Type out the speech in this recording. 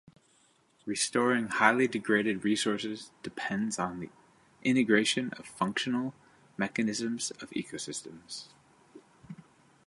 Restoring highly degraded resources depends on integration of functional mechanisms of ecosystems.